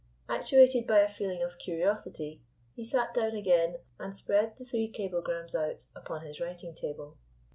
Actuated by a feeling of curiosity, he sat down again and spread the three cablegrams out upon his writing table.